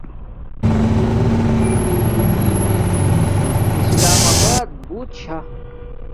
اسلام آبات بوت شا